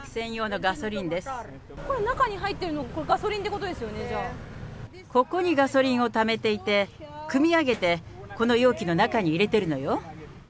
これ、中に入ってるの、これ、ガソリンっていうことですよね、ここにガソリンをためていて、くみ上げてこの容器の中に入れてるのよ。